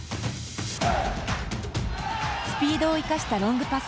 スピードを生かしたロングパス。